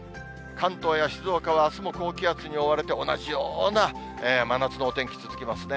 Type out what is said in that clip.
関東や静岡はあすも高気圧に覆われて、同じような真夏のお天気、続きますね。